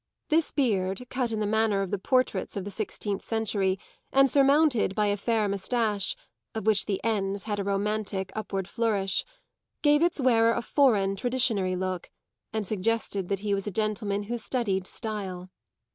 This beard, cut in the manner of the portraits of the sixteenth century and surmounted by a fair moustache, of which the ends had a romantic upward flourish, gave its wearer a foreign, traditionary look and suggested that he was a gentleman who studied style.